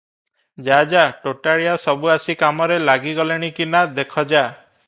ଯା ଯା, ତୋଟାଳିଆ ସବୁ ଆସି କାମରେ ଲାଗିଗଲେଣି କି ନା, ଦେଖ ଯା ।"